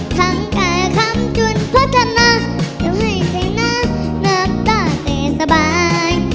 ทางแก่คัมพรุ่นพัฒนาอย่าให้ใส่หน้าน้ำต้าเตยสบาย